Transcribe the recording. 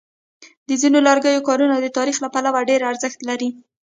د ځینو لرګیو کارونه د تاریخ له پلوه ډېر ارزښت لري.